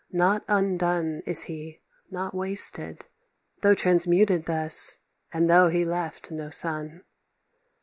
Not undone Is he, not wasted, though transmuted thus, And though he left no son.